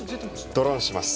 ドロンします。